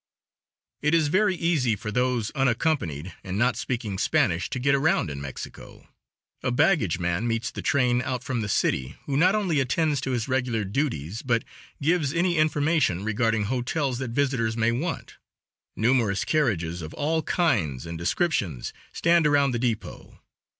It is very easy for those unaccompanied and not speaking Spanish to get around in Mexico. A baggage man meets the train out from the city, who not only attends to his regular duties, but gives any information regarding hotels that visitors may want. Numerous carriages of all kinds and descriptions, stand around the depot.